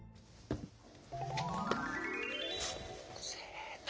せの！